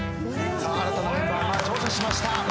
さあ新たなメンバーが乗車しました。